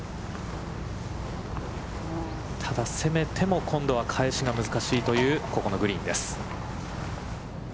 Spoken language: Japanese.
ただ、攻めても今度は返しが難しいというここのグリーンです。